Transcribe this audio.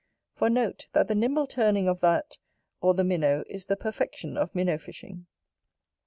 For note, that the nimble turning of that, or the Minnow is the perfection of Minnow fishing.